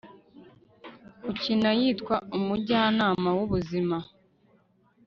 ukina yitwa umujyanama wu buzima